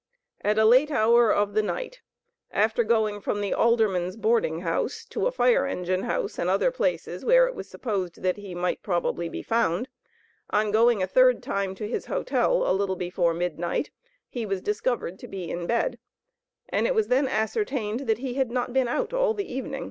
At a late hour of the night, after going from the alderman's boardinghouse to a fire engine house and other places, where it was supposed that he might probably be found, on going a third time to his hotel, a little before midnight, he was discovered to be in bed, and it was then ascertained that he had not been out all the evening.